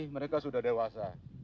mereka sudah dewasa